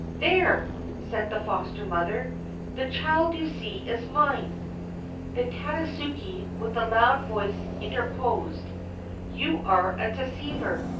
"There!" said the foster mother, "the child, you see, is mine." Then Tadasuke with a loud voice interposed: "You are a deceiver.